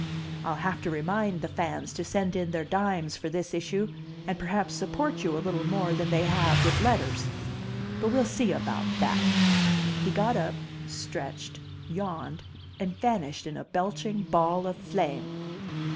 I'll have to remind the fans to send in their dimes for this issue and perhaps support you a little more than they have with letters. But we'll see about that." He got up, stretched, yawned, and vanished in a belching ball of flame.